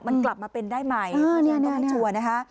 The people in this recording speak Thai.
มันกลับมาเป็นได้ไหมต้องให้ชัวร์นะคะ